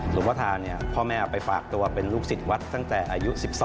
หลวงพระธาพ่อแม่ไปฝากตัวเป็นลูกศิษย์วัดตั้งแต่อายุ๑๒